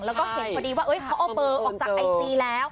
แล้วก็เห็นพอดีว่าเขาเอาเบอร์ออกจากไอจีแล้ว